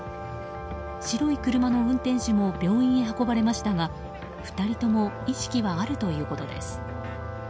白い車の運転手も病院へ運ばれましたが２人とも意識はあるということです。